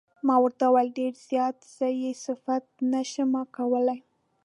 ما ورته وویل: ډېر زیات، زه یې صفت نه شم کولای.